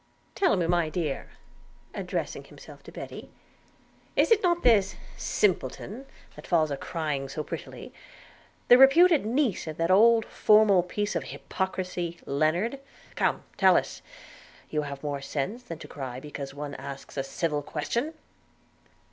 'Tell me, my dear,' addressing himself to Betty, 'is not this little simpleton, that falls a crying so prettily, the reputed niece of that old formal piece of hypocrisy, Lennard? Come, tell us – you have more sense than to cry because one asks a civil question.'